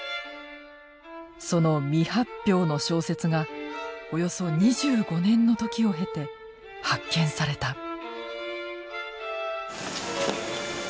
その未発表の小説がおよそ２５年の時を経て発見された。